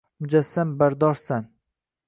mujassam bardoshsan.